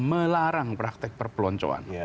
melarang praktek perpeloncoan